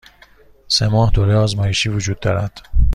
سه ماه دوره آزمایشی وجود دارد.